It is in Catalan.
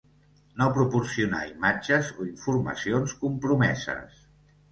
No proporcionar imatges o informacions compromeses.